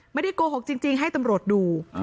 ไม่ได้โกหกจริงให้ตำรวจดู